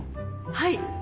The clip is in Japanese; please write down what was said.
はい。